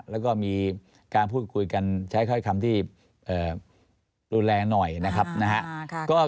แล้วก็มีการพูดคุยกันใช้ถ้อยคำที่ดูแลหน่อยนะครับนะฮะ